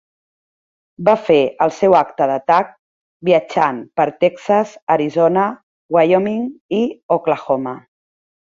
Va fer el seu acte d'atac, viatjant per Texas, Arizona, Wyoming i Oklahoma.